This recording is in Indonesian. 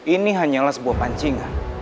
ini hanyalah sebuah pancingan